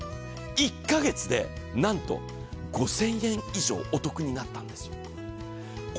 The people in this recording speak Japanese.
１カ月でなんと５０００円以上お得になったんです。